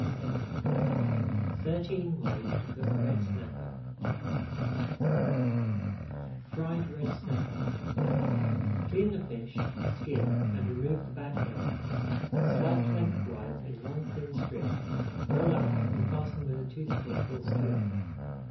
[Page 257] THIRTEEN WAYS TO COOK RED SNAPPER FRIED RED SNAPPER Clean the fish, skin, and remove the backbone. Slice lengthwise in long thin strips, roll up and fasten with a toothpick or skewer.